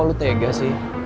kok lu tega sih